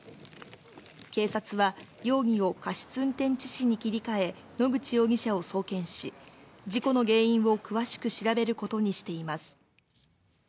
警察は、容疑を過失運転致死に切り替え、野口容疑者を送検し、事故の原因を詳しく調べることにしています。